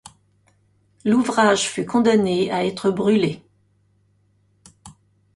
L'ouvrage fut condamné à être brûlé.